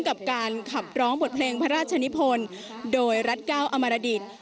กับการขับร้องบทเพลงพระราชนิพลโดยรัฐเก้าอมรดิต